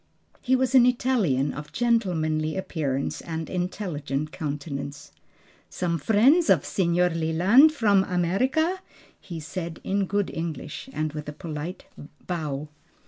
He was an Italian of gentlemanly appearance and intelligent countenance. "Some friends of Signor Leland: from America?" he said in good English and with a polite bow.